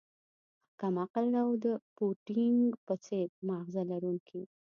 کم عقل او د پوډینګ په څیر ماغزه لرونکی